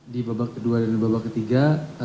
di babak kedua dan babak ketiga